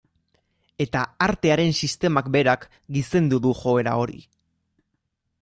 Eta artearen sistemak berak gizendu du joera hori.